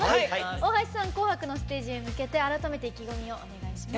大橋さん、「紅白」のステージに向けて改めて意気込みをお願いします。